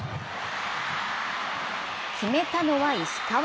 決めたのは石川。